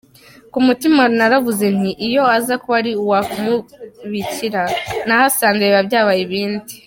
Ku mutima naravuze nti iyo aza kuba ari wa mubikira nahasanze biba byabaye ibindi.